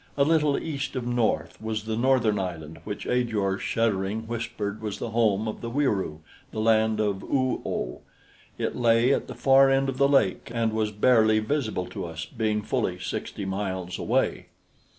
A little east of north was the northern island, which Ajor, shuddering, whispered was the home of the Wieroo the land of Oo oh. It lay at the far end of the lake and was barely visible to us, being fully sixty miles away.